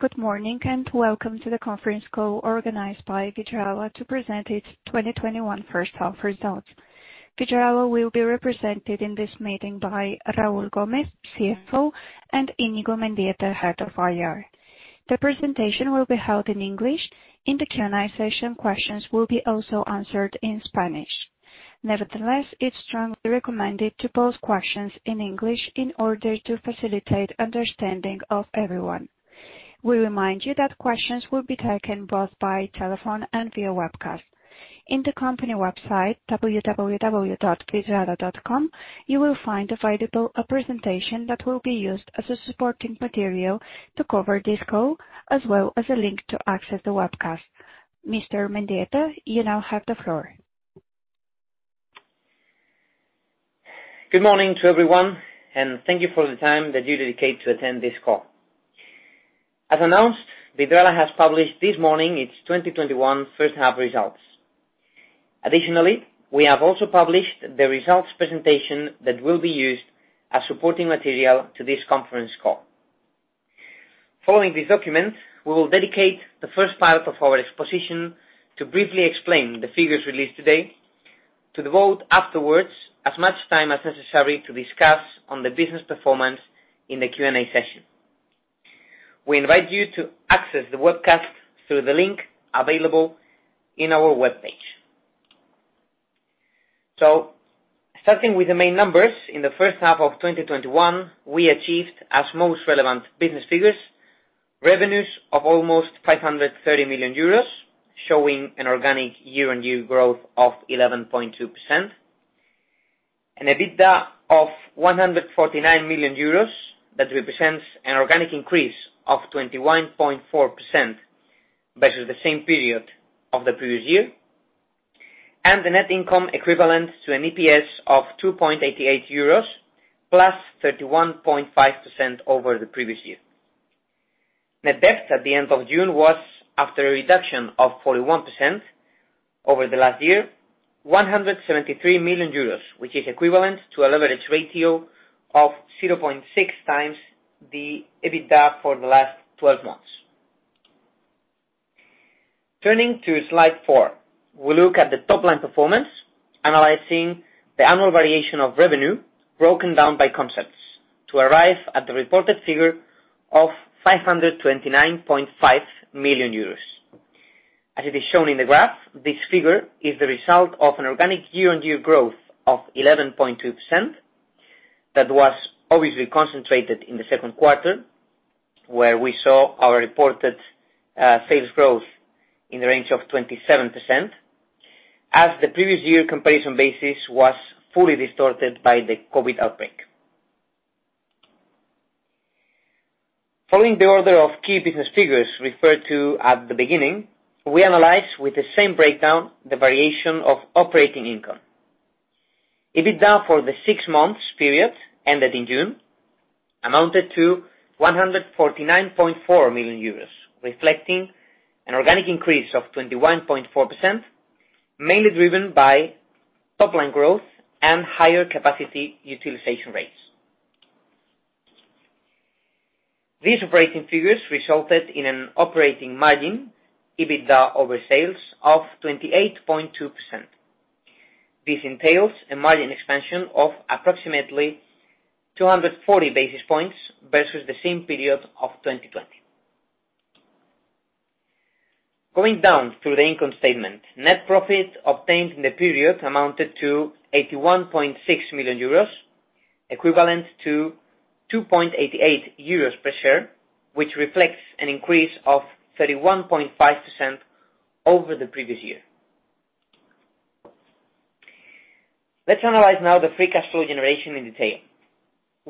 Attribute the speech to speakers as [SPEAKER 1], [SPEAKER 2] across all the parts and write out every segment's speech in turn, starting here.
[SPEAKER 1] Good morning, Welcome to the conference call organized by Vidrala to present its 2021 first half results. Vidrala will be represented in this meeting by Raúl Gómez, CFO, and Iñigo Mendieta, head of IR. The presentation will be held in English. In the Q&A session, questions will be also answered in Spanish. It's strongly recommended to pose questions in English in order to facilitate understanding of everyone. We remind you that questions will be taken both by telephone and via webcast. In the company website, www.vidrala.com, you will find available a presentation that will be used as a supporting material to cover this call, as well as a link to access the webcast. Mr. Mendieta, you now have the floor.
[SPEAKER 2] Good morning to everyone, and thank you for the time that you dedicate to attend this call. As announced, Vidrala has published this morning its 2021 first-half results. Additionally, we have also published the results presentation that will be used as supporting material to this conference call. Following this document, we will dedicate the first part of our exposition to briefly explain the figures released today, to devote afterwards as much time as necessary to discuss on the business performance in the Q&A session. We invite you to access the webcast through the link available in our webpage. Starting with the main numbers, in the first half of 2021, we achieved as most relevant business figures, revenues of almost 530 million euros, showing an organic year-on-year growth of 11.2%, an EBITDA of 149 million euros, that represents an organic increase of 21.4% versus the same period of the previous year, and a net income equivalent to an EPS of 2.88 euros, +31.5% over the previous year. Net debt at the end of June was, after a reduction of 41% over the last year, 173 million euros, which is equivalent to a leverage ratio of 0.6x the EBITDA for the last 12 months. Turning to slide four, we look at the top-line performance, analyzing the annual variation of revenue broken down by concepts to arrive at the reported figure of 529.5 million euros. As it is shown in the graph, this figure is the result of an organic year-on-year growth of 11.2% that was obviously concentrated in the second quarter, where we saw our reported sales growth in the range of 27%, as the previous year comparison basis was fully distorted by the COVID outbreak. Following the order of key business figures referred to at the beginning, we analyze with the same breakdown the variation of operating income. EBITDA for the six months period ended in June amounted to 149.4 million euros, reflecting an organic increase of 21.4%, mainly driven by top-line growth and higher capacity utilization rates. These operating figures resulted in an operating margin, EBITDA over sales, of 28.2%. This entails a margin expansion of approximately 240 basis points versus the same period of 2020. Going down through the income statement, net profit obtained in the period amounted to 81.6 million euros, equivalent to 2.88 euros per share, which reflects an increase of 31.5% over the previous year. Let's analyze now the free cash flow generation in detail.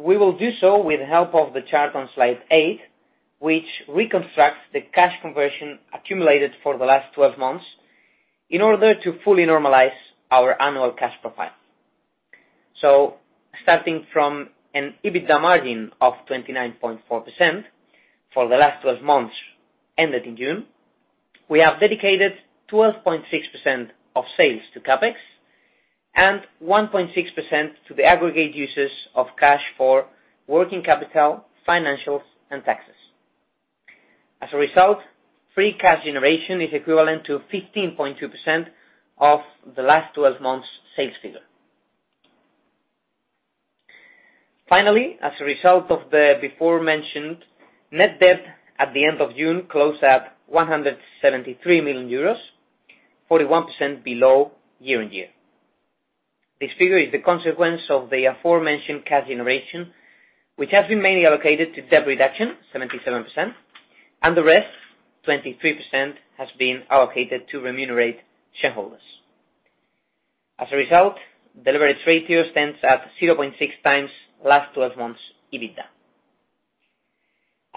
[SPEAKER 2] We will do so with the help of the chart on slide eight, which reconstructs the cash conversion accumulated for the last 12 months in order to fully normalize our annual cash profile. Starting from an EBITDA margin of 29.4% for the last 12 months ended in June, we have dedicated 12.6% of sales to CapEx and 1.6% to the aggregate uses of cash for working capital, financials, and taxes. As a result, free cash generation is equivalent to 15.2% of the last 12 months' sales figure. Finally, as a result of the before-mentioned net debt at the end of June closed at 173 million euros, 41% below year-over-year. This figure is the consequence of the aforementioned cash generation, which has been mainly allocated to debt reduction, 77%, and the rest, 23%, has been allocated to remunerate shareholders. As a result, the leverage ratio stands at 0.6x last 12 months EBITDA.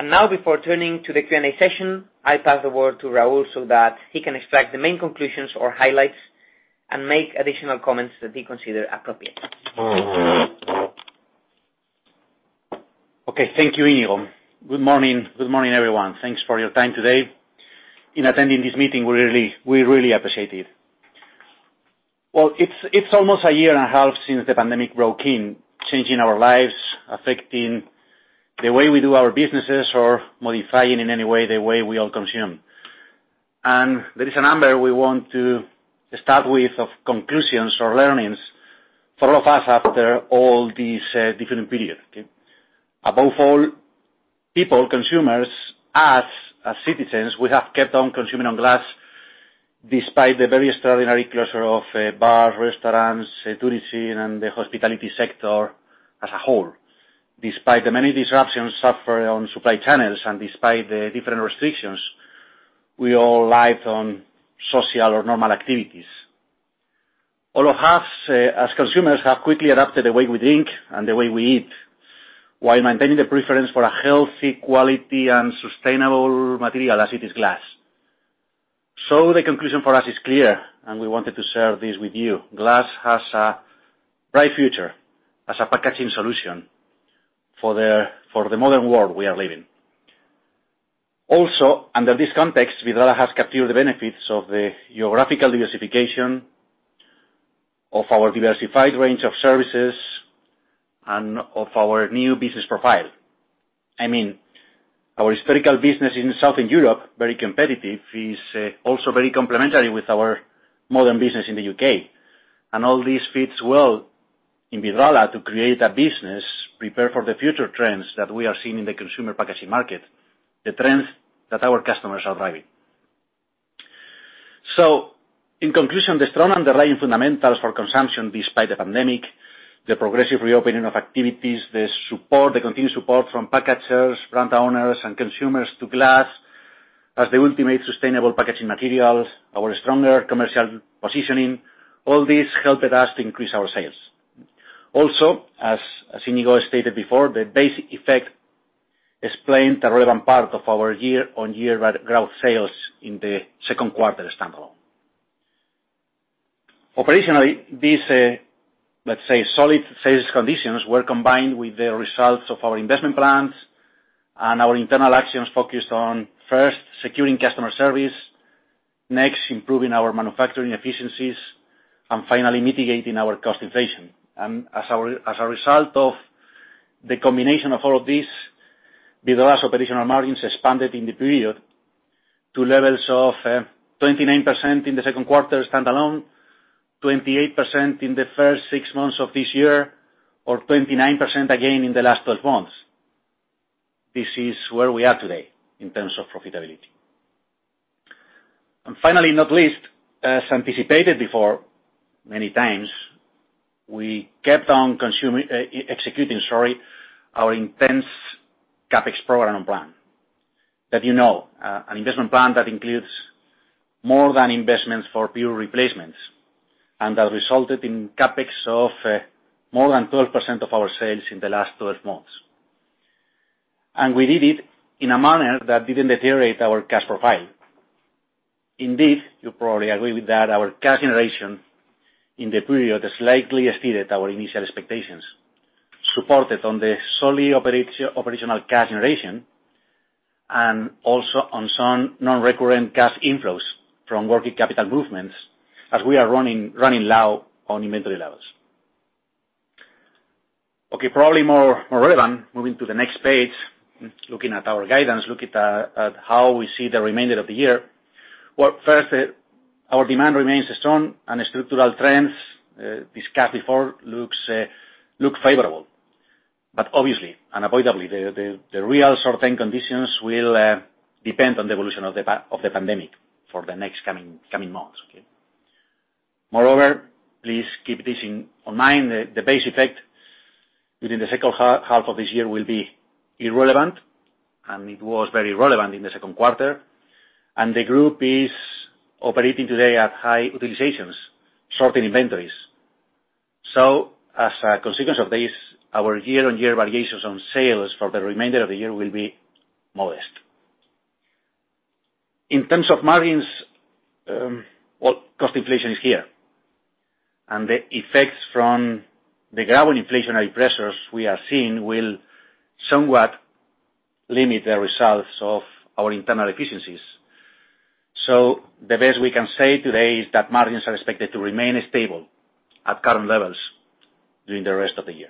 [SPEAKER 2] Now, before turning to the Q&A session, I pass the word to Raúl so that he can extract the main conclusions or highlights and make additional comments that he consider appropriate.
[SPEAKER 3] Okay. Thank you, Iñigo. Good morning. Good morning, everyone. Thanks for your time today in attending this meeting. We really appreciate it. Well, it's almost a year and a half since the pandemic broke in, changing our lives, affecting the way we do our businesses, or modifying in any way the way we all consume. There is a number we want to start with of conclusions or learnings for all of us after all these different periods. Above all, people, consumers, as citizens, we have kept on consuming glass despite the very extraordinary closure of bars, restaurants, tourism, and the hospitality sector as a whole. Despite the many disruptions suffered on supply channels and despite the different restrictions, we all relied on social or normal activities. All of us, as consumers, have quickly adapted the way we drink and the way we eat, while maintaining the preference for a healthy quality and sustainable material as it is glass. The conclusion for us is clear, and we wanted to share this with you. Glass has a bright future as a packaging solution for the modern world we are living. Also, under this context, Vidrala has captured the benefits of the geographical diversification of our diversified range of services and of our new business profile. Our historical business in Southern Europe, very competitive, is also very complementary with our modern business in the U.K. All this fits well in Vidrala to create a business prepared for the future trends that we are seeing in the consumer packaging market, the trends that our customers are driving. In conclusion, the strong underlying fundamentals for consumption despite the pandemic, the progressive reopening of activities, the continued support from packagers, brand owners, and consumers to glass as the ultimate sustainable packaging materials, our stronger commercial positioning, all this helped us to increase our sales. Also as Iñigo stated before, the base effect explained the relevant part of our year-on-year growth sales in the second quarter standalone. Operationally, these, let's say solid sales conditions were combined with the results of our investment plans and our internal actions focused on first, securing customer service next, improving our manufacturing efficiencies, and finally, mitigating our cost inflation. As a result of the combination of all of this, Vidrala's operational margins expanded in the period to levels of 29% in the second quarter standalone, 28% in the first six months of this year, or 29% again in the last 12 months. This is where we are today in terms of profitability. Finally, not least, as anticipated before many times, we kept on executing our intense CapEx program plan. That you know, an investment plan that includes more than investments for pure replacements, and that resulted in CapEx of more than 12% of our sales in the last 12 months. We did it in a manner that didn't deteriorate our cash profile. Indeed, you probably agree with that, our cash generation in the period slightly exceeded our initial expectations, supported on the solid operational cash generation and also on some non-recurrent cash inflows from working capital movements as we are running low on inventory levels. Probably more relevant, moving to the next page, looking at our guidance, look at how we see the remainder of the year. Well, first, our demand remains strong and structural trends discussed before look favorable. Obviously, unavoidably, the real certain conditions will depend on the evolution of the pandemic for the next coming months. Moreover, please keep this in mind, the base effect within the second half of this year will be irrelevant, and it was very relevant in the second quarter. The group is operating today at high utilizations, short in inventories. As a consequence of this, our year-on-year variations on sales for the remainder of the year will be modest. In terms of margins well, cost inflation is here. The effects from the growing inflationary pressures we are seeing will somewhat limit the results of our internal efficiencies. The best we can say today is that margins are expected to remain stable at current levels during the rest of the year.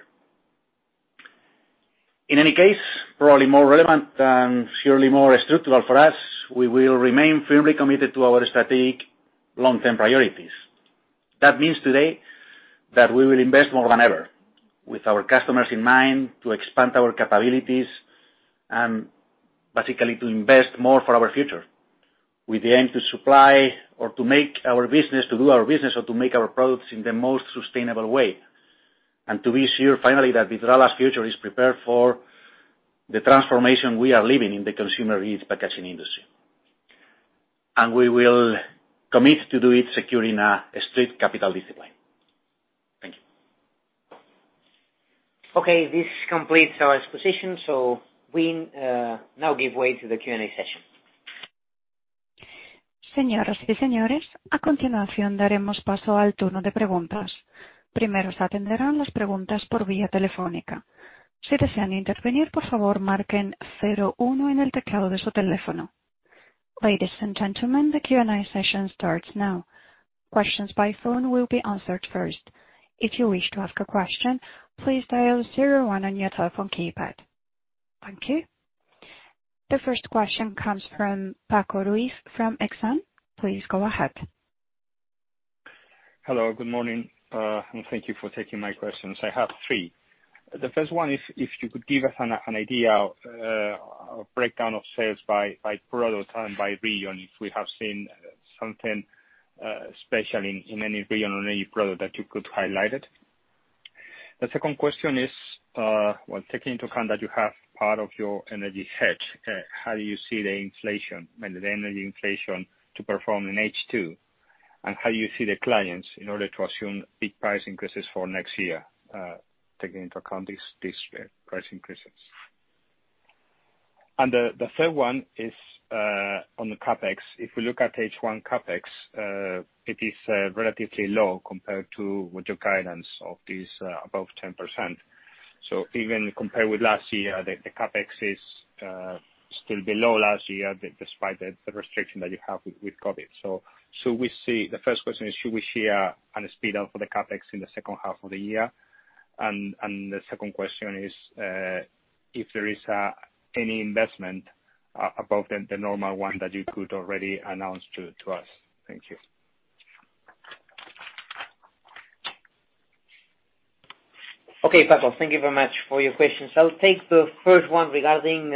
[SPEAKER 3] In any case, probably more relevant and surely more structural for us, we will remain firmly committed to our strategic long-term priorities. That means today that we will invest more than ever with our customers in mind to expand our capabilities and basically to invest more for our future, with the aim to supply or to make our business, to do our business or to make our products in the most sustainable way. To be sure, finally, that Vidrala's future is prepared for the transformation we are living in the consumer goods packaging industry. We will commit to do it securing a strict capital discipline. Thank you.
[SPEAKER 2] Okay, this completes our exposition. We now give way to the Q&A session.
[SPEAKER 1] Ladies and gentlemen, the Q&A session starts now. Questions by phone will be answered first. If you wish to ask a question, please dial 01 on your telephone keypad. Thank you. The first question comes from Francisco Ruiz from Exane. Please go ahead.
[SPEAKER 4] Hello. Good morning, and thank you for taking my questions. I have three. The first one is, if you could give us an idea of breakdown of sales by product and by region, if we have seen something special in any region or any product that you could highlight it. The second question is, taking into account that you have part of your energy hedged, how do you see the energy inflation to perform in H2, and how you see the clients in order to assume big price increases for next year, taking into account these price increases? The third one is on the CapEx. If we look at H1 CapEx, it is relatively low compared to what your guidance of this above 10%. Even compared with last year, the CapEx is still below last year, despite the restriction that you have with COVID. The first question is, should we see a speed up for the CapEx in the second half of the year? The second question is, if there is any investment above the normal one that you could already announce to us. Thank you.
[SPEAKER 2] Okay, Francisco. Thank you very much for your questions. I'll take the first one regarding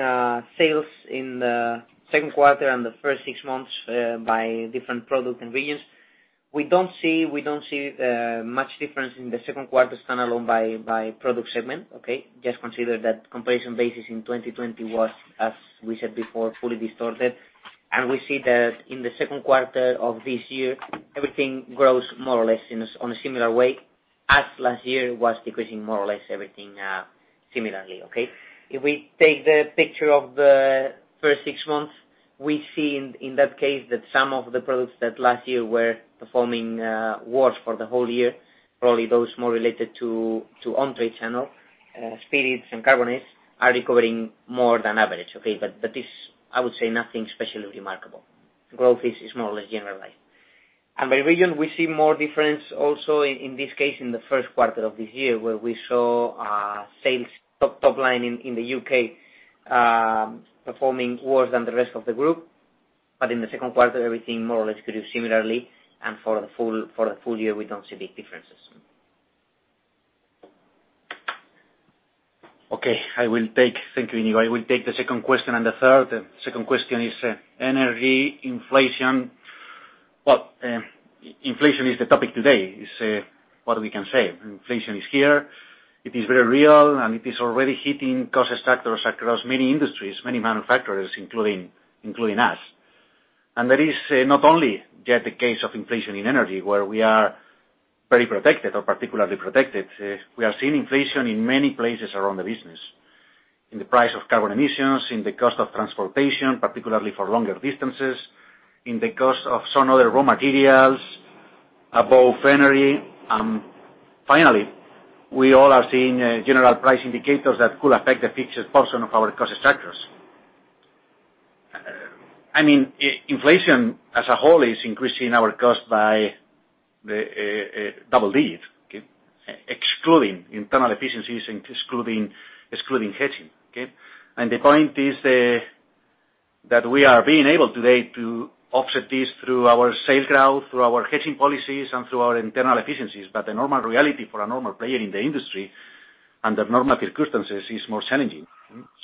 [SPEAKER 2] sales in the second quarter and the first six months by different product and regions. We don't see much difference in the second quarter standalone by product segment. Just consider that comparison basis in 2020 was, as we said before, fully distorted. We see that in the second quarter of this year, everything grows more or less on a similar way, as last year was decreasing more or less everything similarly. If we take the picture of the first six months, we see in that case that some of the products that last year were performing worse for the whole year, probably those more related to on-trade channel, spirits and carbonates, are recovering more than average. This, I would say nothing especially remarkable. Growth is more or less generalized. By region, we see more difference also in this case in the first quarter of this year, where we saw sales top line in the U.K., performing worse than the rest of the group. In the second quarter, everything more or less grew similarly. For the full year, we don't see big differences.
[SPEAKER 3] Okay. Thank you, Iñigo. I will take the second question and the third. Second question is energy inflation. Well, inflation is the topic today, is what we can say. Inflation is here, it is very real, and it is already hitting cost structures across many industries, many manufacturers, including us. That is not only just the case of inflation in energy, where we are very protected or particularly protected. We are seeing inflation in many places around the business. In the price of carbon emissions, in the cost of transportation, particularly for longer distances, in the cost of some other raw materials, above energy. Finally, we all are seeing general price indicators that could affect the fixed portion of our cost structures. I mean, inflation as a whole is increasing our cost by double digits, okay? Excluding internal efficiencies and excluding hedging. Okay? The point is that we are being able today to offset this through our sales growth, through our hedging policies, and through our internal efficiencies. The normal reality for a normal player in the industry under normal circumstances is more challenging.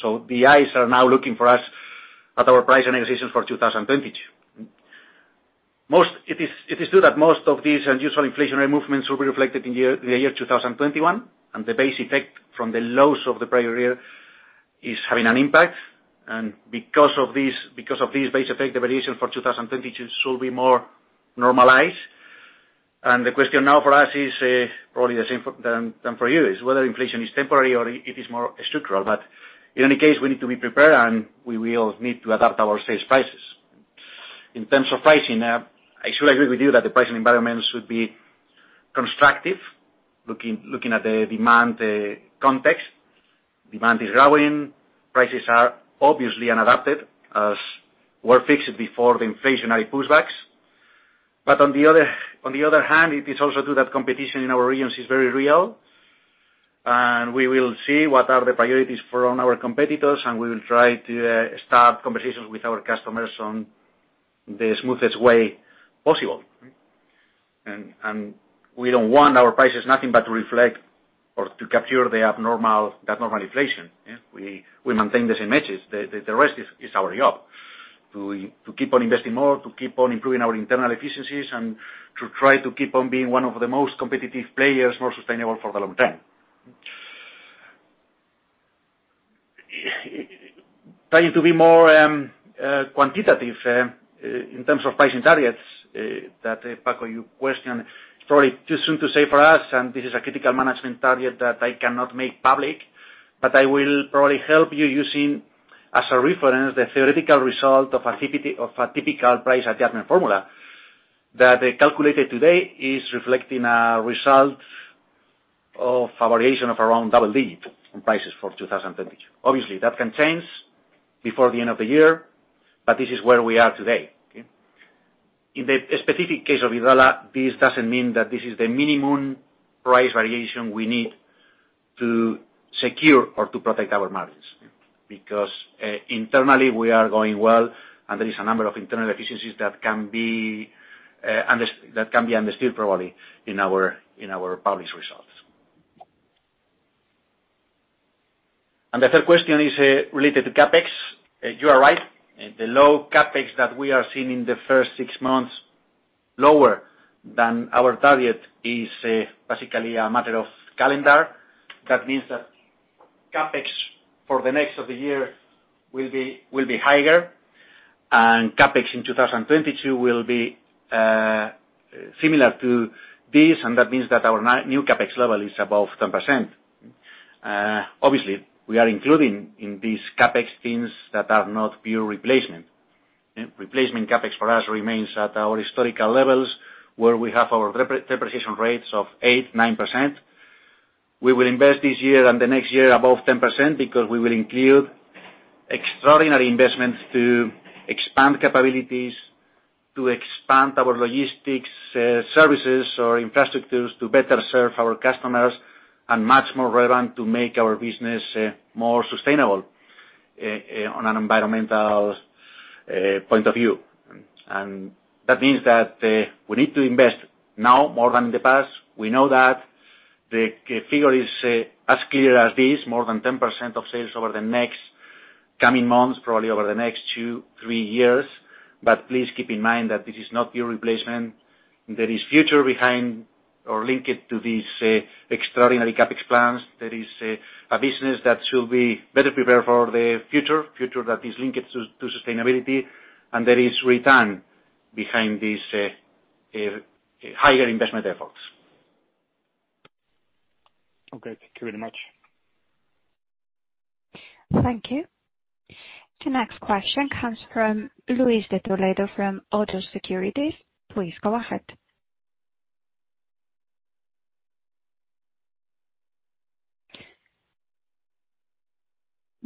[SPEAKER 3] The eyes are now looking for us at our price and positions for 2022. It is true that most of these unusual inflationary movements will be reflected in the year 2021, and the base effect from the lows of the prior year is having an impact. Because of this base effect, the variation for 2022 should be more normalized. The question now for us is probably the same than for you, is whether inflation is temporary or it is more structural. In any case, we need to be prepared, and we will need to adapt our sales prices. In terms of pricing, I should agree with you that the pricing environment should be constructive. Looking at the demand context, demand is growing. Prices are obviously unadapted, as were fixed before the inflationary pushbacks. On the other hand, it is also true that competition in our regions is very real, and we will see what are the priorities from our competitors, and we will try to start conversations with our customers on the smoothest way possible. We don't want our prices nothing but to reflect or to capture the abnormal inflation. We maintain the same hedges. The rest is our job, to keep on investing more, to keep on improving our internal efficiencies, and to try to keep on being one of the most competitive players, more sustainable for the long term. Trying to be more quantitative in terms of pricing targets that, Francisco, you question. Probably too soon to say for us, and this is a critical management target that I cannot make public. I will probably help you using as a reference the theoretical result of a typical price adjustment formula that I calculated today is reflecting a result of a variation of around double digits in prices for 2022. Obviously, that can change before the end of the year, but this is where we are today. In the specific case of Vidrala, this doesn't mean that this is the minimum price variation we need to secure or to protect our margins. Internally we are going well, and there is a number of internal efficiencies that can be understood probably in our published results. The third question is related to CapEx. You are right. The low CapEx that we are seeing in the first six months, lower than our target, is basically a matter of calendar. That means that CapEx for the rest of the year will be higher, and CapEx in 2022 will be similar to this, and that means that our new CapEx level is above 10%. Obviously, we are including in these CapEx things that are not pure replacement. Replacement CapEx for us remains at our historical levels, where we have our depreciation rates of 8%, 9%. We will invest this year and the next year above 10%, because we will include extraordinary investments to expand capabilities, to expand our logistics services or infrastructures to better serve our customers, and much more relevant, to make our business more sustainable on an environmental point of view. That means that we need to invest now more than in the past. We know that. The figure is as clear as this, more than 10% of sales over the next coming months, probably over the next two, three years. Please keep in mind that this is not pure replacement. There is future behind or linked to these extraordinary CapEx plans. There is a business that should be better prepared for the future. Future that is linked to sustainability, and there is return behind these higher investment efforts.
[SPEAKER 4] Okay. Thank you very much.
[SPEAKER 1] Thank you. The next question comes from Luis de Toledo from ODDO BHF. Please go ahead.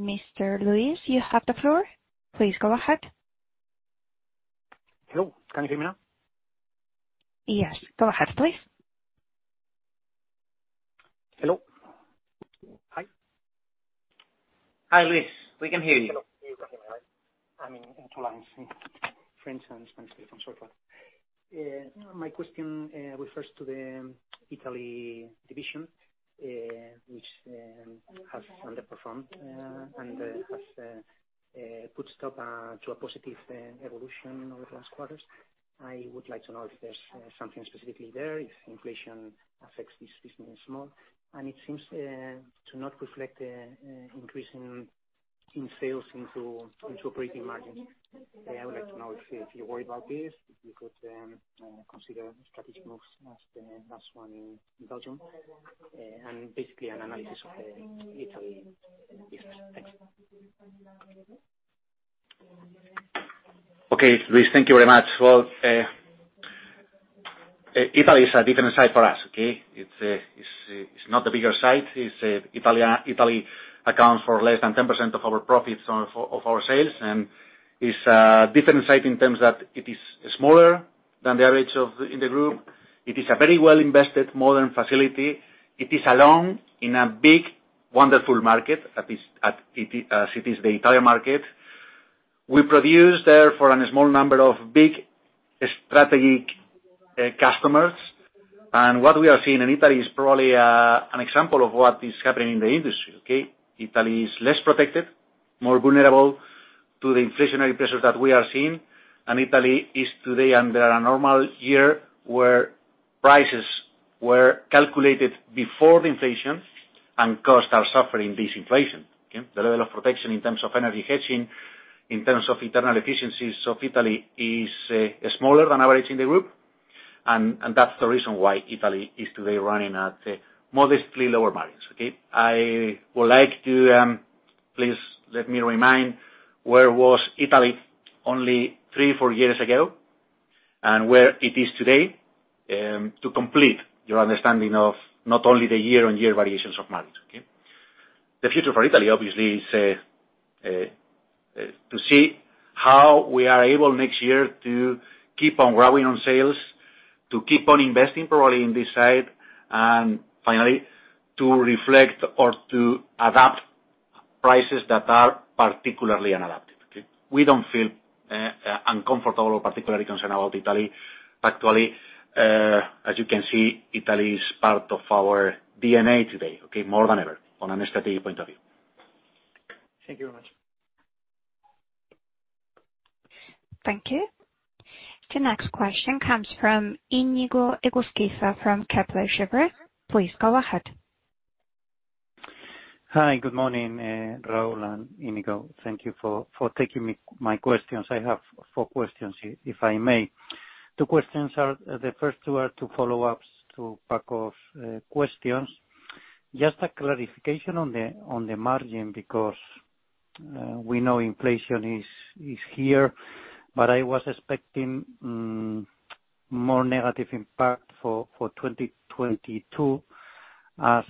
[SPEAKER 1] Mr. Luis, you have the floor. Please go ahead.
[SPEAKER 5] Hello, can you hear me now?
[SPEAKER 1] Yes. Go ahead, please.
[SPEAKER 5] Hello? Hi.
[SPEAKER 3] Hi, Luis. We can hear you.
[SPEAKER 5] Hello. You can hear me, right? I mean, in France and Spanish from Vidrala. My question refers to the Italy division, which has underperformed, and has put a stop to a positive evolution over the last quarters. I would like to know if there's something specifically there, if inflation affects this business more. It seems to not reflect increase in sales into operating margins. I would like to know if you're worried about this, if you could consider strategic moves as the last one in Belgium, and basically an analysis of the Italy business. Thanks.
[SPEAKER 3] Okay, Luis, thank you very much. Well, Italy is a different site for us. It's not the bigger site. Italy accounts for less than 10% of our profits of our sales, and is a different site in terms that it is smaller than the average in the group. It is a very well-invested, modern facility. It is alone in a big, wonderful market as it is the entire market. We produce there for a small number of big strategic customers. What we are seeing in Italy is probably an example of what is happening in the industry. Italy is less protected, more vulnerable to the inflationary pressures that we are seeing, and Italy is today under a normal year where prices were calculated before the inflation and costs are suffering this inflation. The level of protection in terms of energy hedging, in terms of internal efficiencies of Italy is smaller than average in the group. That's the reason why Italy is today running at modestly lower margins. Please let me remind where was Italy only three, four years ago and where it is today, to complete your understanding of not only the year-on-year variations of margins. The future for Italy, obviously, is to see how we are able next year to keep on growing on sales, to keep on investing probably in this site. Finally, to reflect or to adapt prices that are particularly unadaptive. We don't feel uncomfortable or particularly concerned about Italy. Actually, as you can see, Italy is part of our D&A today, more than ever, on a strategic point of view.
[SPEAKER 5] Thank you very much.
[SPEAKER 1] Thank you. The next question comes from Iñigo Egusquiza from Kepler Cheuvreux. Please go ahead.
[SPEAKER 6] Hi. Good morning, Raúl and Iñigo. Thank you for taking my questions. I have four questions, if I may. The first two are two follow-ups to Francisco's questions. Just a clarification on the margin, because we know inflation is here, but I was expecting more negative impact for 2022. As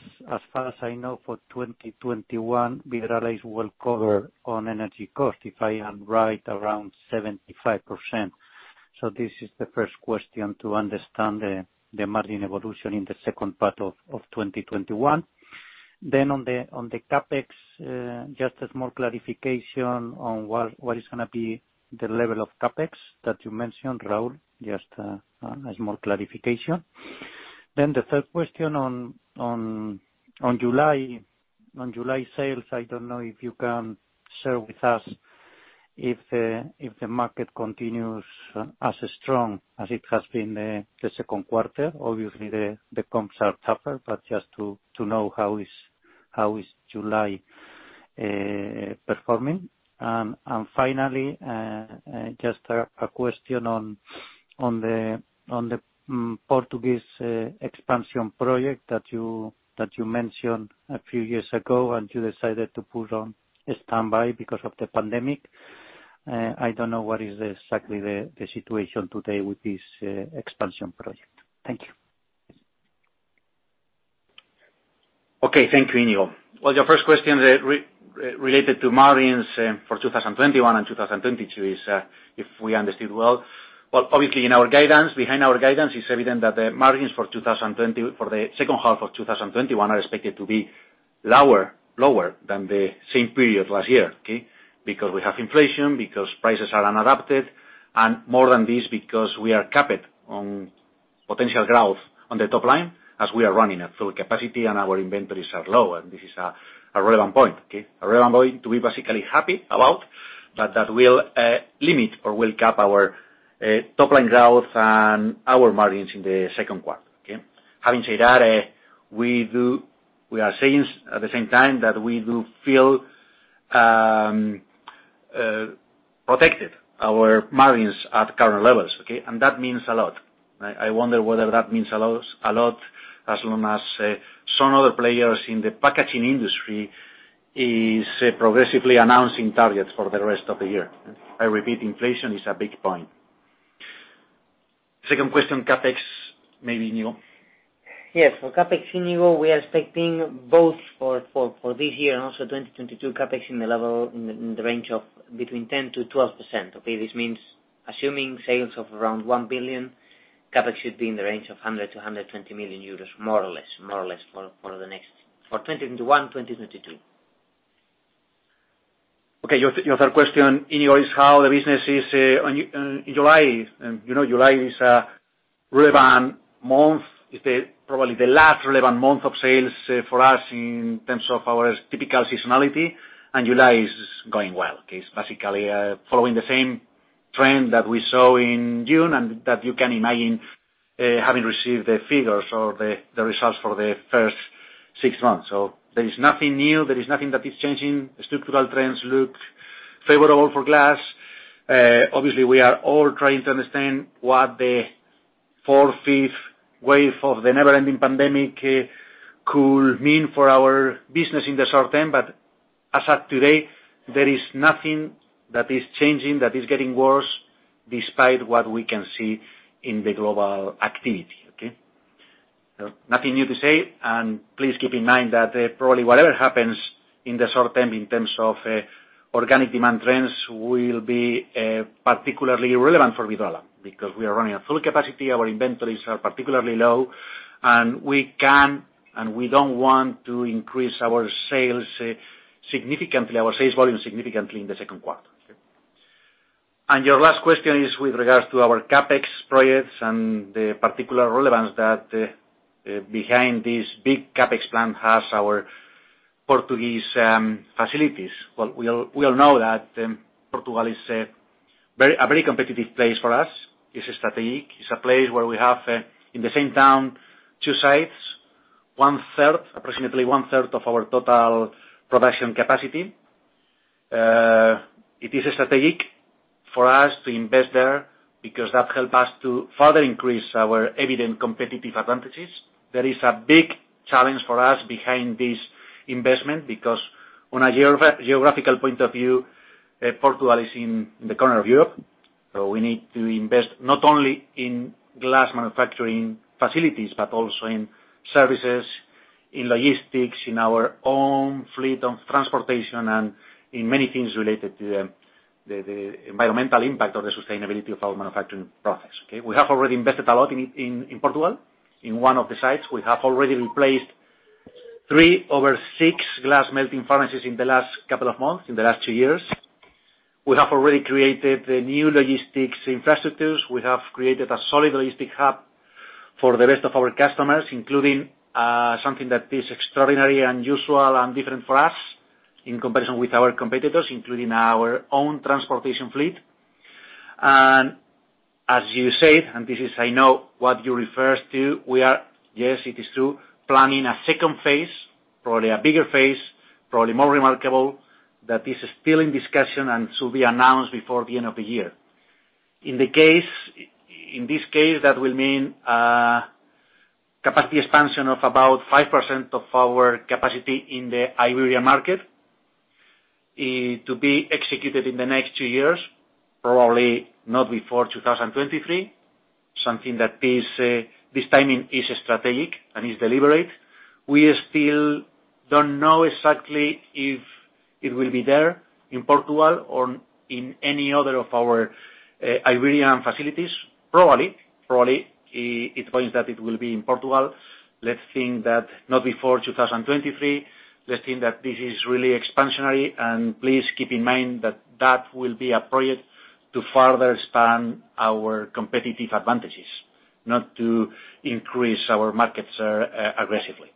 [SPEAKER 6] far as I know, for 2021, Vidrala will cover on energy cost, if I am right, around 75%. This is the first question to understand the margin evolution in the second part of 2021. On the CapEx, just a small clarification on what is going to be the level of CapEx that you mentioned, Raúl. Just a small clarification. The third question on July sales, I don't know if you can share with us if the market continues as strong as it has been the second quarter. Obviously, the comps are tougher, but just to know how is July performing. Finally, just a question on the Portuguese expansion project that you mentioned a few years ago, and you decided to put on standby because of the pandemic. I don't know what is exactly the situation today with this expansion project. Thank you.
[SPEAKER 3] Okay. Thank you, Iñigo. Well, your first question related to margins for 2021 and 2022 is, if we understood well, obviously behind our guidance, it's evident that the margins for the second half of 2021 are expected to be lower than the same period last year. Because we have inflation, because prices are unadapted, and more than this, because we are capped on potential growth on the top line as we are running at full capacity and our inventories are low, and this is a relevant point. A relevant point to be basically happy about, but that will limit or will cap our top line growth and our margins in the second quarter. Having said that, we are saying at the same time that we do feel protected, our margins at current levels. That means a lot. I wonder whether that means a lot as long as some other players in the packaging industry is progressively announcing targets for the rest of the year. I repeat, inflation is a big point. Second question, CapEx, maybe Iñigo.
[SPEAKER 2] Yes. For CapEx, Iñigo, we are expecting both for this year and also 2022 CapEx in the range of between 10%-12%. This means assuming sales of around 1 billion, CapEx should be in the range of 100 million-120 million euros, more or less for 2021, 2022.
[SPEAKER 3] Okay. Your third question, Iñigo, is how the business is in July. July is relevant month, is probably the last relevant month of sales for us in terms of our typical seasonality, and July is going well. It's basically following the same trend that we saw in June and that you can imagine having received the figures or the results for the first six months. There is nothing new. There is nothing that is changing. Structural trends look favorable for glass. Obviously, we are all trying to understand what the fourth, fifth wave of the never-ending pandemic could mean for our business in the short term. As of today, there is nothing that is changing, that is getting worse, despite what we can see in the global activity. Nothing new to say. Please keep in mind that probably whatever happens in the short term in terms of organic demand trends will be particularly relevant for Vidrala because we are running at full capacity, our inventories are particularly low, and we can't, and we don't want to increase our sales volume significantly in the second quarter. Your last question is with regards to our CapEx projects and the particular relevance that behind this big CapEx plan has our Portuguese facilities. Well, we all know that Portugal is a very competitive place for us. It's strategic. It's a place where we have, in the same town, two sites, approximately 1/3 of our total production capacity. It is strategic for us to invest there because that help us to further increase our evident competitive advantages. There is a big challenge for us behind this investment, because on a geographical point of view, Portugal is in the corner of Europe. We need to invest not only in glass manufacturing facilities, but also in services, in logistics, in our own fleet of transportation, and in many things related to the environmental impact or the sustainability of our manufacturing process. We have already invested a lot in Portugal. In one of the sites, we have already replaced three over six glass melting furnaces in the last couple of months, in the last two years. We have already created the new logistics infrastructures. We have created a solid logistic hub for the rest of our customers, including something that is extraordinary and usual and different for us in comparison with our competitors, including our own transportation fleet. As you said, and this is, I know, what you refer to, we are, yes, it is true, planning a second phase, probably a bigger phase, probably more remarkable, that is still in discussion and to be announced before the end of the year. In this case, that will mean capacity expansion of about 5% of our capacity in the Iberian market is to be executed in the next two years, probably not before 2023. Something that this timing is strategic and is deliberate. We still don't know exactly if it will be there in Portugal or in any other of our Iberian facilities. Probably, it points that it will be in Portugal. Let's think that not before 2023. Let's think that this is really expansionary, and please keep in mind that that will be a project to further span our competitive advantages, not to increase our markets aggressively.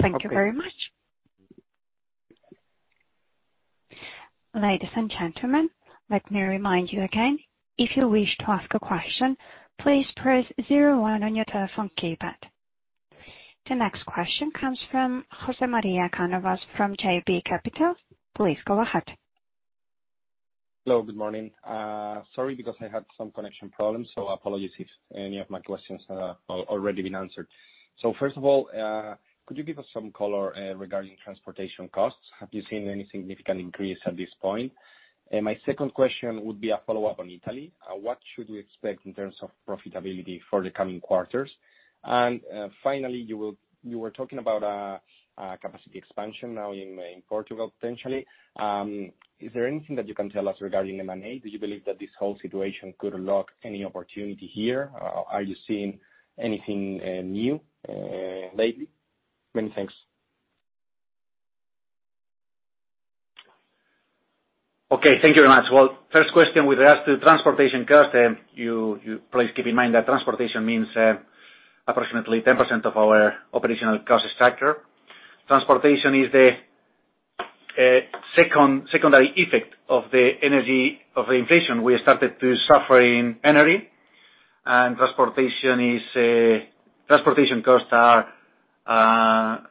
[SPEAKER 1] Thank you very much. Ladies and gentlemen, let me remind you again, if you wish to ask a question, please press zero one on your telephone keypad. The next question comes from José María Cánovas García de Blanes from JB Capital Markets. Please go ahead.
[SPEAKER 7] Hello, good morning. Sorry because I had some connection problems, so apologies if any of my questions have already been answered. First of all, could you give us some color regarding transportation costs? Have you seen any significant increase at this point? My second question would be a follow-up on Italy. What should we expect in terms of profitability for the coming quarters? Finally, you were talking about capacity expansion now in Portugal, potentially. Is there anything that you can tell us regarding M&A? Do you believe that this whole situation could unlock any opportunity here? Are you seeing anything new lately? Many thanks.
[SPEAKER 3] Okay. Thank you very much. Well, first question with regards to transportation cost. Please keep in mind that transportation means approximately 10% of our operational cost structure. Transportation is the secondary effect of the energy of inflation. We started to suffer in energy, transportation costs are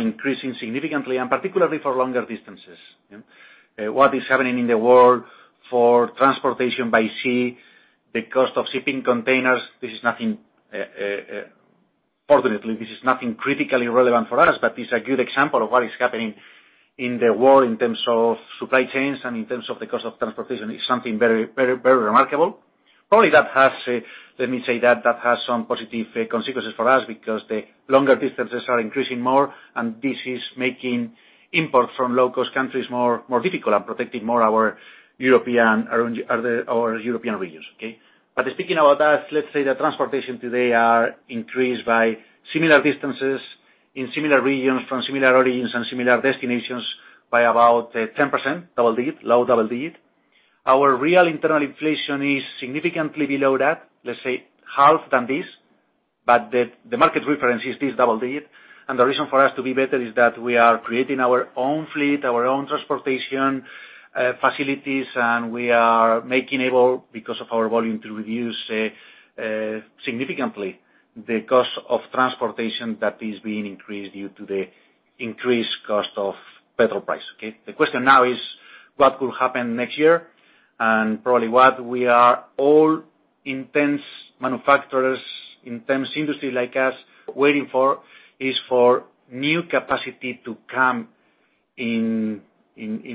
[SPEAKER 3] increasing significantly, and particularly for longer distances. What is happening in the world for transportation by sea, the cost of shipping containers, fortunately, this is nothing critically relevant for us, but it's a good example of what is happening in the world in terms of supply chains and in terms of the cost of transportation. It's something very remarkable. Probably that has some positive consequences for us because the longer distances are increasing more, and this is making imports from low-cost countries more difficult and protecting more our European regions. Okay. Speaking about that, let's say that transportation today are increased by similar distances in similar regions from similar origins and similar destinations by about 10%, double digit, low double digit. Our real internal inflation is significantly below that, let's say half than this, but the market reference is this double digit. The reason for us to be better is that we are creating our own fleet, our own transportation facilities, and we are making able, because of our volume, to reduce significantly the cost of transportation that is being increased due to the increased cost of petrol price. Okay? The question now is what will happen next year? Probably what we are all intense manufacturers, intense industry like us waiting for is for new capacity to come in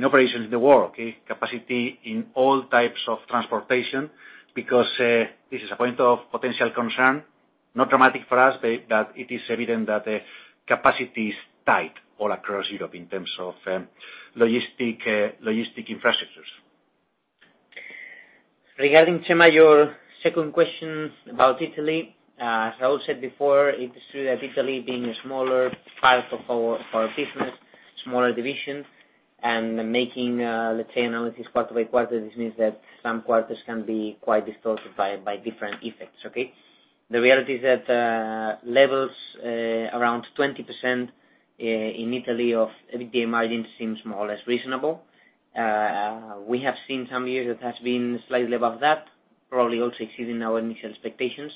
[SPEAKER 3] operations in the world. Capacity in all types of transportation because this is a point of potential concern. Not dramatic for us, but it is evident that capacity is tight all across Europe in terms of logistic infrastructures.
[SPEAKER 2] Regarding, José María, your second question about Italy. As Raúl said before, it is true that Italy being a smaller part of our business, smaller division, and making, let's say, analysis quarter by quarter, this means that some quarters can be quite distorted by different effects. Okay. The reality is that levels around 20% in Italy of EBITDA margin seems more or less reasonable. We have seen some years it has been slightly above that, probably also exceeding our initial expectations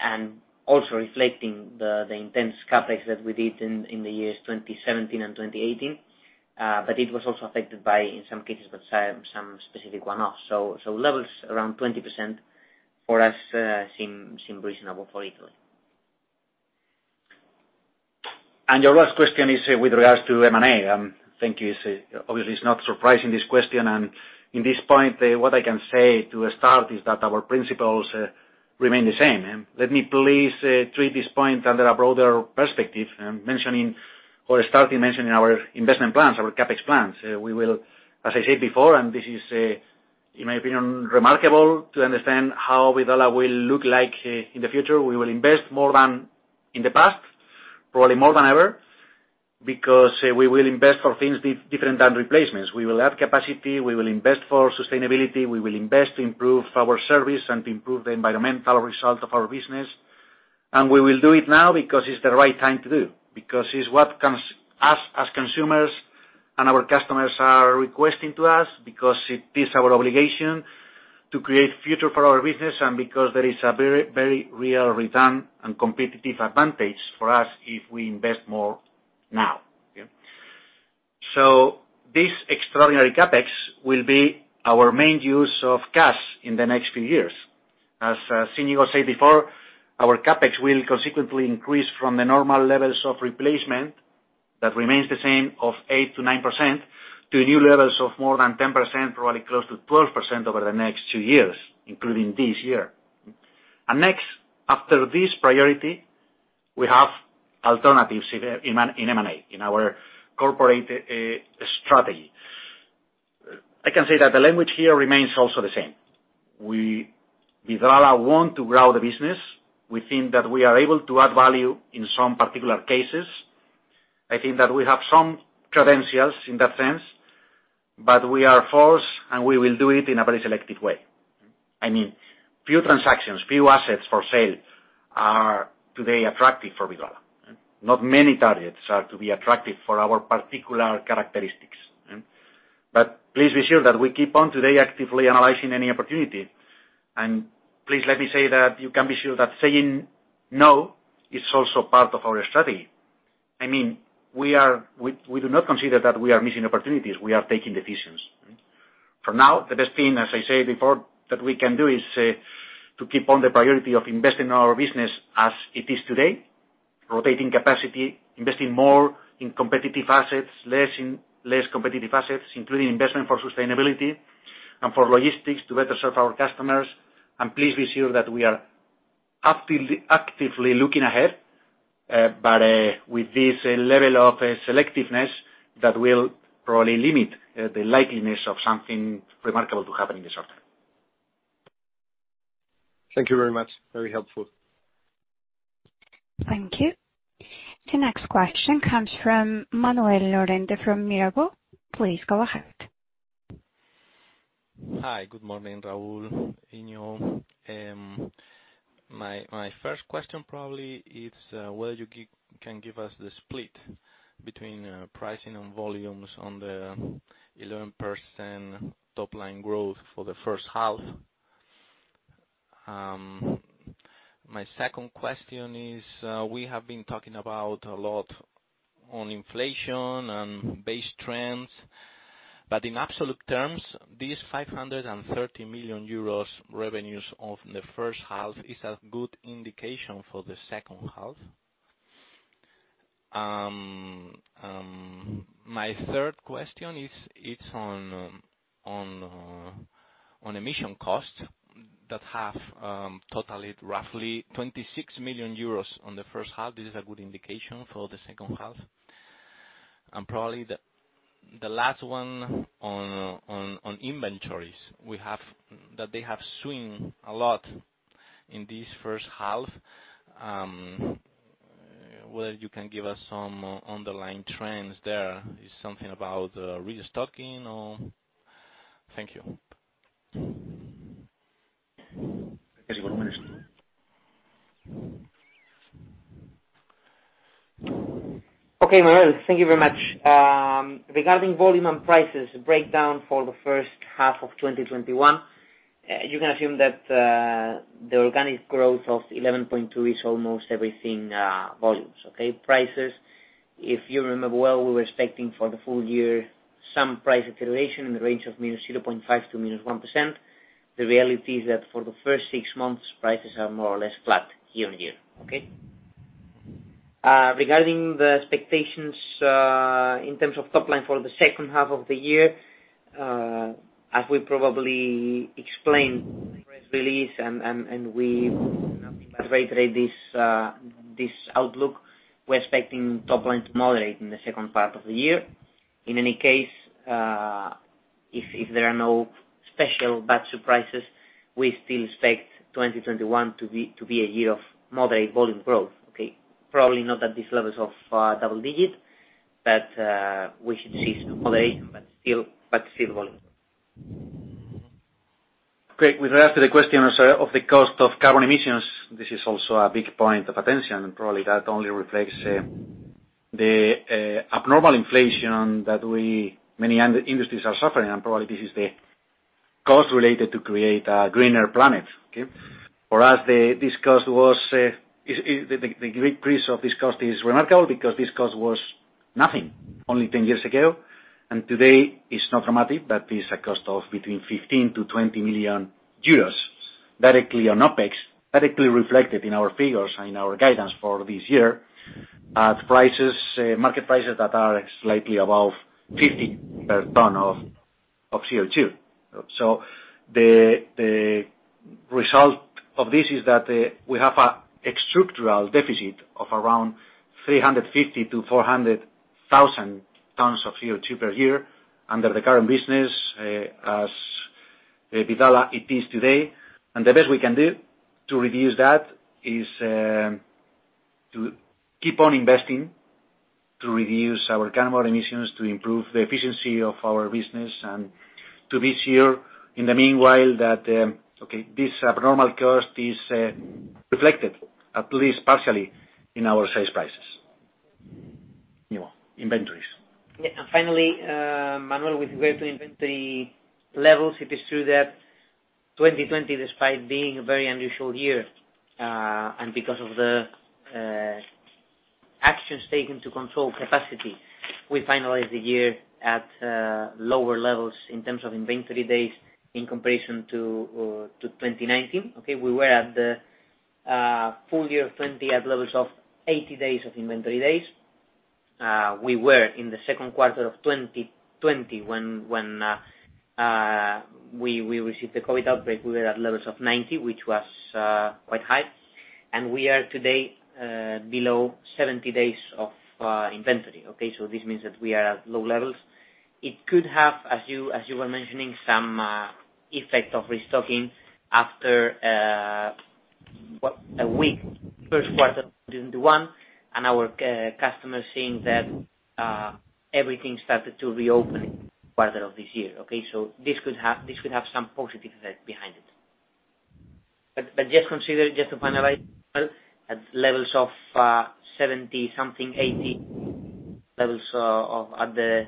[SPEAKER 2] and also reflecting the intense CapEx that we did in the years 2017 and 2018. It was also affected by, in some cases, by some specific one-off. Levels around 20% for us seem reasonable for Italy.
[SPEAKER 3] Your last question is with regards to M&A. Thank you. Obviously, it's not surprising, this question, and in this point, what I can say to start is that our principles remain the same. Let me please treat this point under a broader perspective, mentioning or starting mentioning our investment plans, our CapEx plans. We will, as I said before, and this is, in my opinion, remarkable to understand how Vidrala will look like in the future. We will invest more than in the past, probably more than ever, because we will invest for things different than replacements. We will add capacity, we will invest for sustainability, we will invest to improve our service and to improve the environmental result of our business. We will do it now because it's the right time to do, because it's what us as consumers and our customers are requesting to us, because it is our obligation to create future for our business, and because there is a very real return and competitive advantage for us if we invest more now. This extraordinary CapEx will be our main use of cash in the next few years. As Iñigo said before, our CapEx will consequently increase from the normal levels of replacement, that remains the same, of 8%-9%, to new levels of more than 10%, probably close to 12% over the next two years, including this year. Next, after this priority, we have alternatives in M&A, in our corporate strategy. I can say that the language here remains also the same. We, Vidrala, want to grow the business. We think that we are able to add value in some particular cases. I think that we have some credentials in that sense. We are first, and we will do it in a very selective way. Few transactions, few assets for sale are today attractive for Vidrala. Not many targets are to be attractive for our particular characteristics. Please be sure that we keep on today actively analyzing any opportunity. Please let me say that you can be sure that saying no is also part of our strategy. We do not consider that we are missing opportunities. We are taking decisions. For now, the best thing, as I said before, that we can do is to keep on the priority of investing in our business as it is today, rotating capacity, investing more in competitive assets, less in less competitive assets, including investment for sustainability and for logistics to better serve our customers. Please be sure that we are actively looking ahead, but with this level of selectiveness that will probably limit the likeliness of something remarkable to happen in the short term.
[SPEAKER 7] Thank you very much. Very helpful.
[SPEAKER 1] Thank you. The next question comes from Manuel Lorente from Mirabaud Securities Holdings. Please go ahead.
[SPEAKER 8] Hi, good morning, Raúl, Iñigo. My first question probably is whether you can give us the split between pricing and volumes on the 11% top-line growth for the first half? My second question is, we have been talking about a lot on inflation and base trends, but in absolute terms, this 530 million euros revenues of the first half is a good indication for the second half? My third question is on emission costs that have totaled roughly 26 million euros on the first half. Is this a good indication for the second half? Probably the last one on inventories that they have swing a lot in this first half. Whether you can give us some underlying trends there, is something about restocking or? Thank you.
[SPEAKER 2] Okay, Manuel. Thank you very much. Regarding volume and prices breakdown for the first half of 2021, you can assume that the organic growth of 11.2 is almost everything volumes. Prices, if you remember well, we were expecting for the full year some price acceleration in the range of -0.5% to -1%. The reality is that for the first six months, prices are more or less flat year on year. Regarding the expectations in terms of top-line for the second half of the year, as we probably explained in the press release and we reiterate this outlook, we're expecting top line to moderate in the second part of the year. In any case, if there are no special bad surprises, we still expect 2021 to be a year of moderate volume growth. Probably not at these levels of double-digit, but we should see some moderation, but still volume.
[SPEAKER 3] Great. With regard to the question of the cost of carbon emissions, this is also a big point of attention, and probably that only reflects the abnormal inflation that many industries are suffering, and probably this is the cost related to create a greener planet. For us, the increase of this cost is remarkable because this cost was nothing only 10 years ago, and today it's not dramatic, but it's a cost of between 15 million-20 million euros directly on OpEx, directly reflected in our figures and in our guidance for this year, at market prices that are slightly above 50 per ton of CO2. The result of this is that we have a structural deficit of around 350,000-400,000 tons of CO2 per year under the current business as Vidrala it is today. The best we can do to reduce that is to keep on investing, to reduce our carbon emissions, to improve the efficiency of our business, and to be sure in the meanwhile that this abnormal cost is reflected, at least partially, in our sales prices.
[SPEAKER 8] You know, inventories.
[SPEAKER 2] Finally, Manuel, with regard to inventory levels, it is true that 2020, despite being a very unusual year, because of the actions taken to control capacity, we finalized the year at lower levels in terms of inventory days in comparison to 2019. We were at the full year 2020 at levels of 80 days of inventory days. We were in the second quarter of 2020, when we received the COVID outbreak, we were at levels of 90, which was quite high. We are today below 70 days of inventory. This means that we are at low levels. It could have, as you were mentioning, some effect of restocking after First quarter of 2021 and our customers seeing that everything started to reopen further of this year. This could have some positive effect behind it. Just consider just to finalize at levels of 70 something, 80 levels at the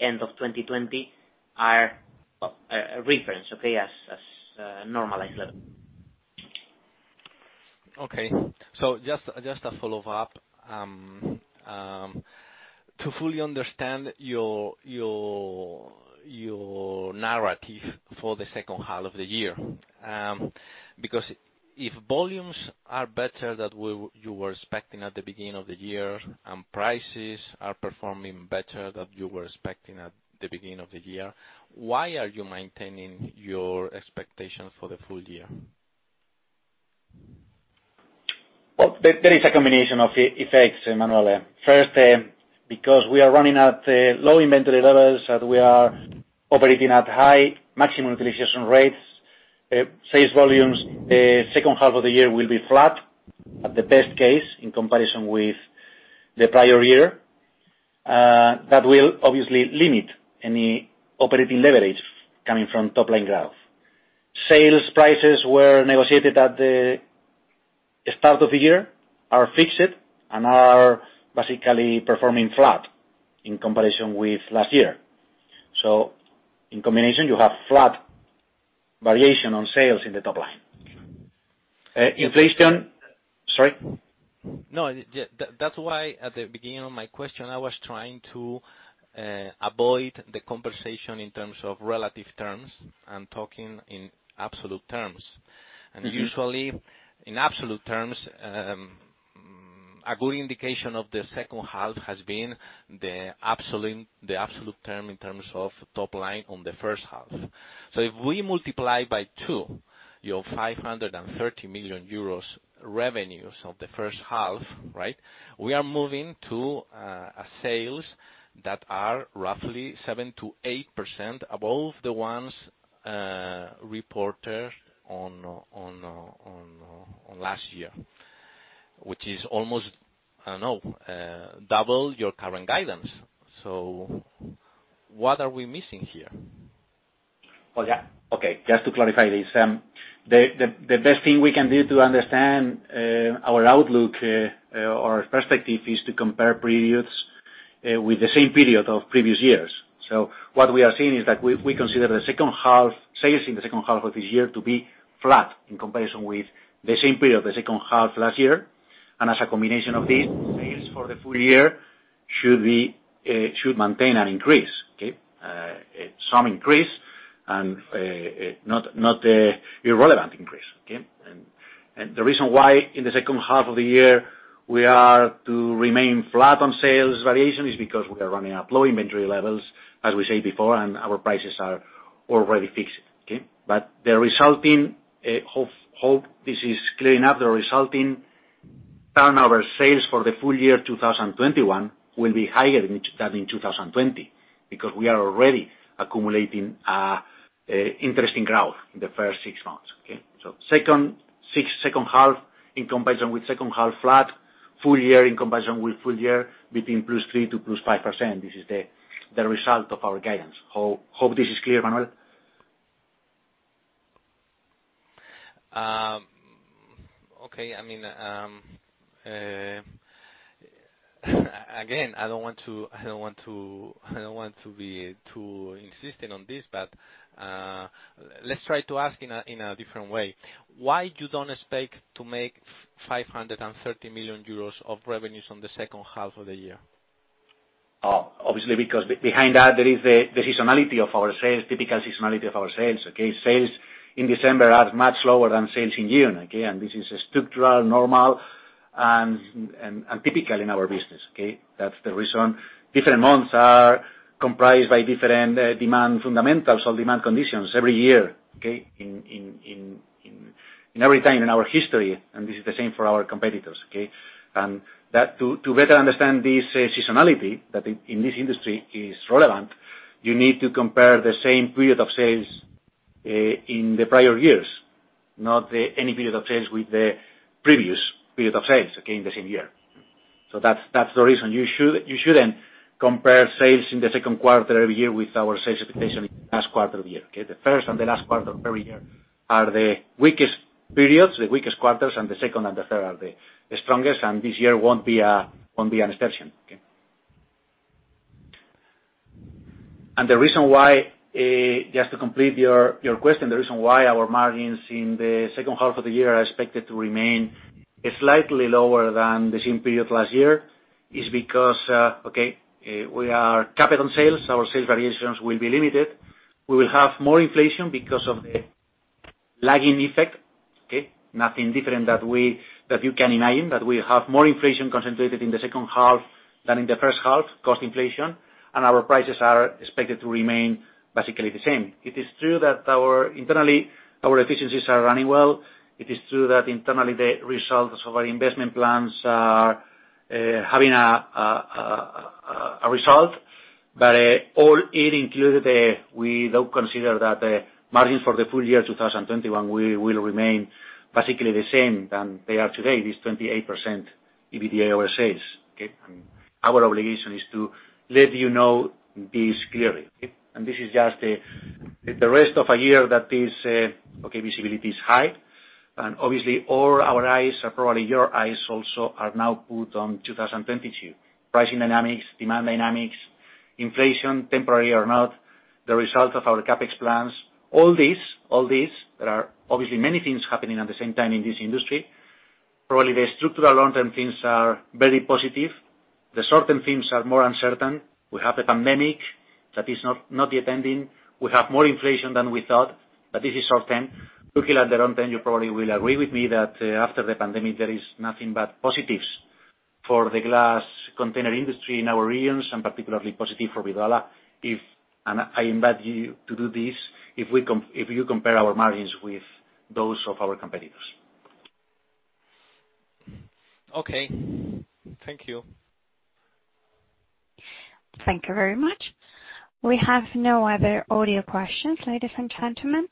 [SPEAKER 2] end of 2020 are a reference, okay, as a normalized level.
[SPEAKER 8] Okay. Just a follow-up. To fully understand your narrative for the second half of the year. If volumes are better than you were expecting at the beginning of the year, and prices are performing better than you were expecting at the beginning of the year, why are you maintaining your expectation for the full year?
[SPEAKER 3] Well, there is a combination of effects, Manuel. First, because we are running at low inventory levels and we are operating at high maximum utilization rates. Sales volumes the second half of the year will be flat at the best case in comparison with the prior year. That will obviously limit any operating leverage coming from top-line growth. Sales prices were negotiated at the start of the year, are fixed, and are basically performing flat in comparison with last year. In combination, you have flat variation on sales in the top-line. Inflation. Sorry?
[SPEAKER 8] That's why at the beginning of my question, I was trying to avoid the conversation in terms of relative terms and talking in absolute terms. Usually in absolute terms, a good indication of the second half has been the absolute term in terms of top line on the first half. If we multiply by two your 530 million euros revenues of the first half, right? We are moving to sales that are roughly 7%-8% above the ones reported on last year, which is almost double your current guidance. What are we missing here?
[SPEAKER 3] Okay. Just to clarify this. The best thing we can do to understand our outlook or perspective is to compare periods with the same period of previous years. What we are seeing is that we consider sales in the second half of this year to be flat in comparison with the same period, the second half last year. As a combination of this, sales for the full year should maintain an increase. Okay. Some increase and not irrelevant increase. Okay. The reason why in the second half of the year we are to remain flat on sales variation is because we are running at low inventory levels, as we said before, and our prices are already fixed. Okay. The resulting hope, this is clearing up, the resulting turnover sales for the full year 2021 will be higher than in 2020 because we are already accumulating interesting growth in the first six months. Okay? Second half in comparison with second half flat, full year in comparison with full year between +3% to +5%, this is the result of our guidance. Hope this is clear, Manuel.
[SPEAKER 8] Okay. Again, I don't want to be too insistent on this, but let's try to ask in a different way. Why you don't expect to make 530 million euros of revenues on the second half of the year?
[SPEAKER 3] Obviously, because behind that there is the seasonality of our sales, typical seasonality of our sales. Okay. Sales in December are much lower than sales in June. Okay. This is structural, normal, and typical in our business. Okay. That's the reason different months are comprised by different demand fundamentals or demand conditions every year, okay, in every time in our history, and this is the same for our competitors, okay. That to better understand this seasonality that in this industry is relevant, you need to compare the same period of sales in the prior years, not any period of sales with the previous period of sales, okay, in the same year. That's the reason you shouldn't Compare sales in the second quarter every year with our sales expectation in the last quarter of the year. The first and the last quarter of every year are the weakest periods, the weakest quarters, and the second and the third are the strongest, this year won't be an exception. Just to complete your question, the reason why our margins in the second half of the year are expected to remain slightly lower than the same period last year is because we are capped on sales. Our sales variations will be limited. We will have more inflation because of the lagging effect. Nothing different that you can imagine, that we have more inflation concentrated in the second half than in the first half, cost inflation, and our prices are expected to remain basically the same. It is true that internally, our efficiencies are running well. It is true that internally, the results of our investment plans are having a result. All in included, we don't consider that the margin for the full year 2021 will remain basically the same than they are today, this 28% EBITDA over sales. Our obligation is to let you know this clearly. This is just the rest of a year that visibility is high, and obviously, all our eyes are, probably your eyes also, are now put on 2022. Pricing dynamics, demand dynamics, inflation, temporary or not, the result of our CapEx plans. All these, there are obviously many things happening at the same time in this industry. Probably the structural long-term things are very positive. The short-term things are more uncertain. We have a pandemic that is not yet ending. We have more inflation than we thought, but this is short-term. Looking at the long-term, you probably will agree with me that after the pandemic, there is nothing but positives for the glass container industry in our regions, and particularly positive for Vidrala. I invite you to do this, if you compare our margins with those of our competitors.
[SPEAKER 8] Okay. Thank you.
[SPEAKER 1] Thank you very much. We have no other audio questions, ladies and gentlemen.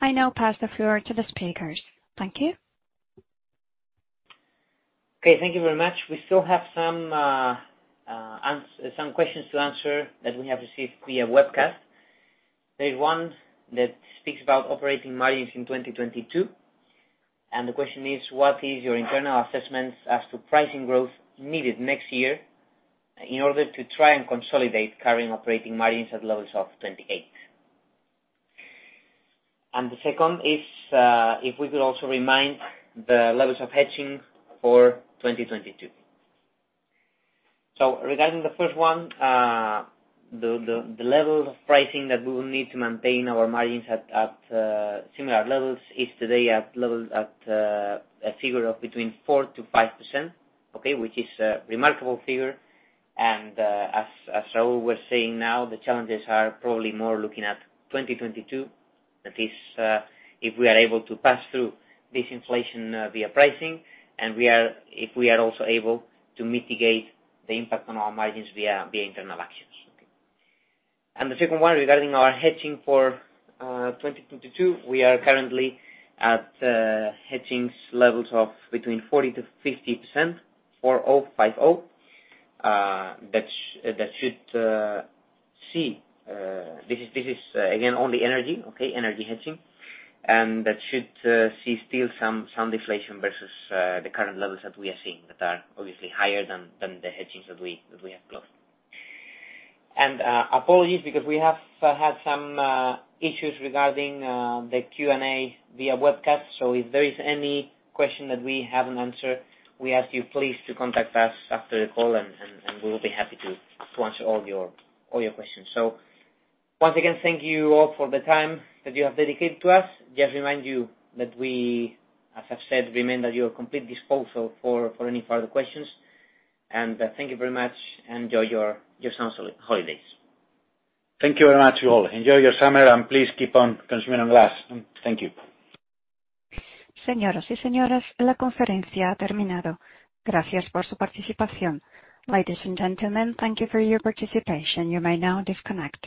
[SPEAKER 1] I now pass the floor to the speakers. Thank you.
[SPEAKER 2] Okay. Thank you very much. We still have some questions to answer that we have received via webcast. There's one that speaks about operating margins in 2022, and the question is, what is your internal assessment as to pricing growth needed next year in order to try and consolidate current operating margins at levels of 28%? The second is, if we could also remind the levels of hedging for 2022. Regarding the first one, the level of pricing that we will need to maintain our margins at similar levels is today at a figure of between 4%-5%, which is a remarkable figure. As Raúl was saying now, the challenges are probably more looking at 2022. That is if we are able to pass through this inflation via pricing, and if we are also able to mitigate the impact on our margins via internal actions. The second one, regarding our hedging for 2022, we are currently at hedging levels of between 40%-50%, 4-0, 5-0. This is again, only energy. Energy hedging. That should see still some deflation versus the current levels that we are seeing, that are obviously higher than the hedgings that we have closed. Apologies because we have had some issues regarding the Q&A via webcast. If there is any question that we haven't answered, we ask you, please, to contact us after the call and we will be happy to answer all your questions. Once again, thank you all for the time that you have dedicated to us. Just remind you that we, as I've said, remain at your complete disposal for any further questions. Thank you very much, and enjoy your summer holidays.
[SPEAKER 3] Thank you very much, you all. Enjoy your summer, and please keep on consuming glass. Thank you.
[SPEAKER 1] Ladies and gentlemen, thank you for your participation. You may now disconnect.